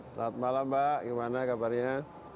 selamat malam mbak gimana kabarnya